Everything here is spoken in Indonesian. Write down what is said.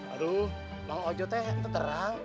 aduh mang ojo teh ngeterang